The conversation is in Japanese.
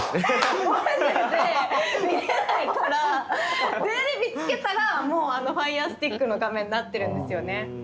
テレビつけたらもうファイヤースティックの画面になってるんですよね。